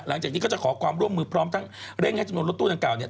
หลังจากนี้ก็จะขอความร่วมมือพร้อมทั้งเร่งให้จำนวนรถตู้ดังกล่าเนี่ย